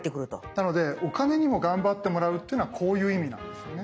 なのでお金にも頑張ってもらうってのはこういう意味なんですよね。